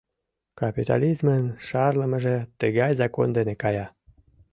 Капитализмын шарлымыже тыгай закон дене кая.